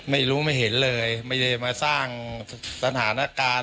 ไม่รู้ไม่เห็นเลยไม่ได้มาสร้างสถานการณ์